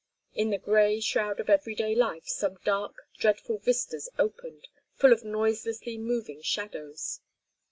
In the grey shroud of everyday life some dark, dreadful vistas opened, full of noiselessly moving shadows.